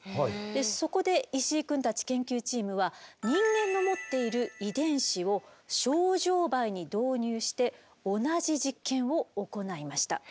そこで石井くんたち研究チームは人間の持っている遺伝子をショウジョウバエに導入して同じ実験を行いました。